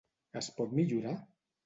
Es pot millorar?